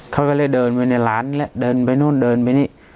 เขาก็เลยเดินไปในร้านเดินไปนู่นเดินไปนี่